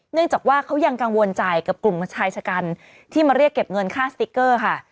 เนื่องจากว่าเขายังกังวลใจกับกลุ่มชายชะกันที่มาเรียกเก็บเงินค่าสติ๊กเกอร์ค่ะ